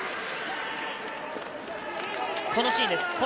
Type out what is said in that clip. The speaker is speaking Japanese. このシーンです。